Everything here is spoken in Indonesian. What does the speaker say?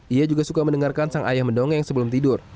ia juga suka mendengarkan sang ayah mendongeng sebelum tidur